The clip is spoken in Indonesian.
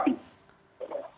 jadi kita harus berpikir pikir